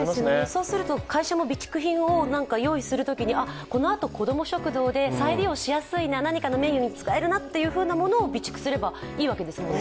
そうすると会社も備蓄品を用意するときに、このあとこども食堂で再利用しやすいな、何かのメニューに使えるなというものを備蓄すればいいわけですもんね。